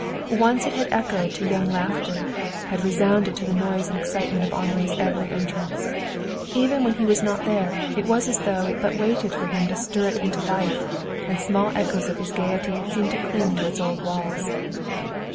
Once it had echoed to young laughter, had resounded to the noise and excitement of Henri's every entrance. Even when he was not there it was as though it but waited for him to stir it into life, and small echoes of his gayety had seemed to cling to its old walls.